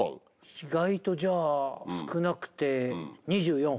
意外とじゃあ少なくて２４本。